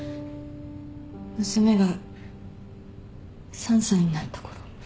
娘が３歳になった頃。